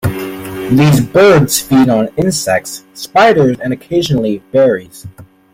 These birds feed on insects, spiders and occasionally berries.